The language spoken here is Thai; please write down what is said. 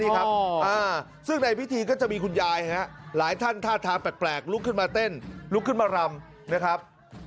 นี่ครับซึ่งในพิธีก็จะมีคุณยายหลายท่านท่าทางแปลกลุกขึ้นมาเต้นลุกขึ้นมารำนะครับ